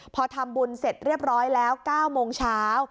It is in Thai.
พอทำบุญเสร็จเรียบร้อยแล้ว๙โมงเช้า